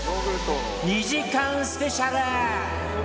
２時間スペシャル！